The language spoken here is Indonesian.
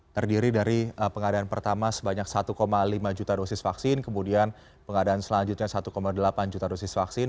terdiri dari pengadaan pertama sebanyak satu lima juta dosis vaksin kemudian pengadaan selanjutnya satu delapan juta dosis vaksin